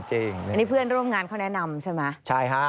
อันนี้เพื่อนร่วมงานเขาแนะนำใช่ไหม